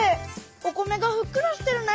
お米がふっくらしてるね。